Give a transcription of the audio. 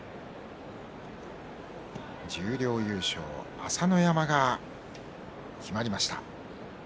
十両優勝は朝乃山、決まりました。